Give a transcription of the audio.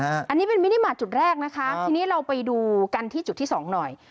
อันนี้เป็นไม่ได้มาจุดแรกนะคะทีนี้เราไปดูกันที่จุดที่สองหน่อย